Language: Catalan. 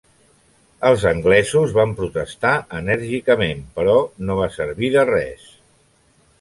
Els anglesos van protestar enèrgicament, però no va servir de res.